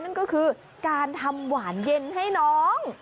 นั่นก็คือการทำหวานเย็นให้น้อง